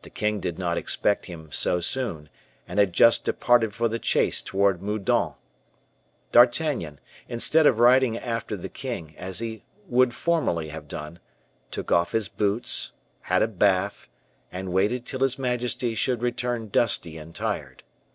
The king did not expect him so soon, and had just departed for the chase towards Meudon. D'Artagnan, instead of riding after the king, as he would formerly have done, took off his boots, had a bath, and waited till his majesty should return dusty and tired.